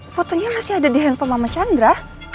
fotonya masih ada di handphone mama chandra